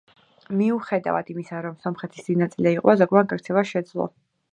მიუხედავად იმისა, რომ სომხების დიდი ნაწილი დაიღუპა, ზოგმა გაქცევა შეძლო.